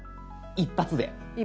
一発で。